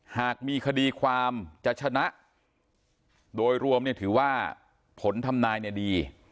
หากมีคดีความจะชนะโดยรวมเนี่ยถือว่าผลทำนายเนี่ยดี